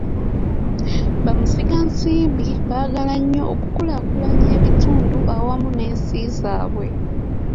Bamusigansimbi baagala nnyo okukulaakulanya ebitundu awamu n'ensi zaabwe.